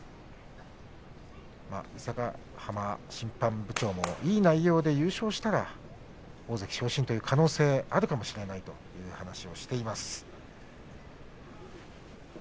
伊勢ヶ濱審判部長もいい内容で優勝したら大関昇進の可能性もあるかもしれないという話もしていました。